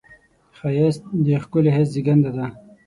ښایست د ښکلي حس زېږنده ده